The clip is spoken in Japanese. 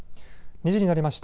２時になりました。